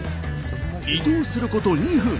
移動すること２分。